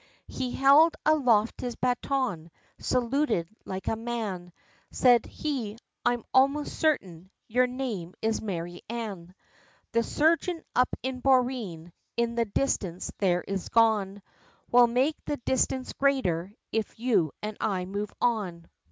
He held aloft his baton, saluted like a man, Said he "I'm almost certain, you're name is Mary Anne, The sergeant up the boreen, in the distance there is gone, We'll make the distance greater, if you and I move on.